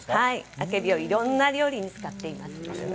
あけびをいろんな料理に使っています。